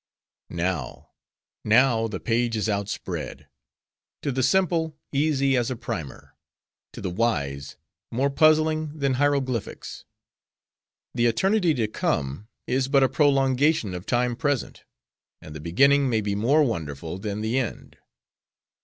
Now, now, the page is out spread: to the simple, easy as a primer; to the wise, more puzzling than hieroglyphics. The eternity to come, is but a prolongation of time present: and the beginning may be more wonderful than the end.